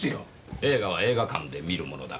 「映画は映画館で観るものだ」